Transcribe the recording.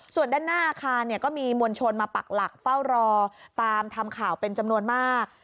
ส่วนด้านหน้าอาคารก็มีมวลชนมาปักหลักเฝ้ารอตามทำข่าวเป็นจำนวนมาก